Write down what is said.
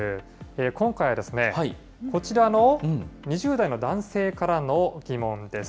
今回は、こちらの２０代の男性からの疑問です。